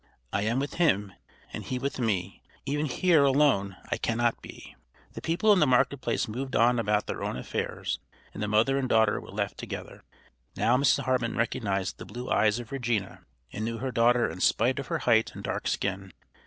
I am with Him, and He with me, E'en here alone I cannot be." The people in the market place moved on about their own affairs, and the mother and daughter were left together. Now Mrs. Hartman recognized the blue eyes of Regina, and knew her daughter in spite of her height and dark skin.